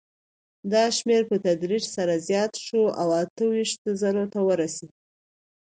دا شمېر په تدریج سره زیات شو او اته ویشت زرو ته ورسېد.